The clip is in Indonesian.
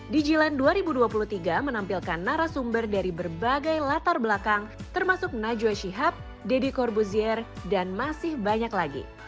di jiland dua ribu dua puluh tiga menampilkan narasumber dari berbagai latar belakang termasuk najwa shihab deddy corbuzier dan masih banyak lagi